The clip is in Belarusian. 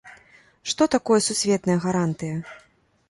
Што такое сусветная гарантыя?